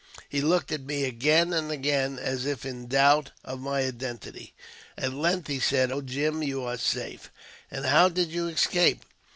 He looked at me again and again, as if in doubt of my identity. At length he said, " Oh, Jim, you are safe ! And how did you escape